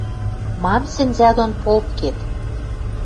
Мам сӹнзӓ дон полткет?